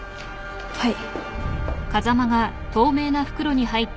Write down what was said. はい。